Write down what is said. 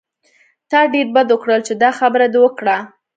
تا ډېر بد وکړل چې دا خبره دې وکړه.